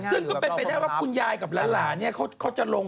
ซึ่งก็เป็นแบบว่าคุณย่ายกับหลานนี้เขาจะลง